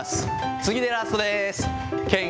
次でラストです。